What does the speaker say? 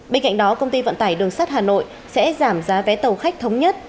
bên cạnh đó công ty vận tải đường sắt hà nội sẽ giảm giá vé tàu khách thống nhất